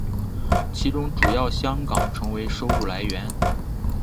其中主要香港成为收入来源。